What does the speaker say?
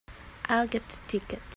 I'll get the tickets.